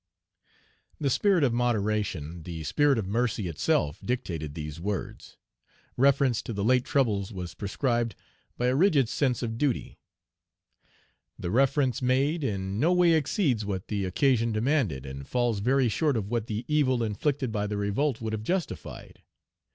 The spirit of moderation, the spirit of mercy itself dictated these words. Reference to the late troubles was prescribed by a rigid sense of duty. The reference made in no way exceeds what the occasion demanded, and falls very short of what the evil inflicted by the revolt would have justified.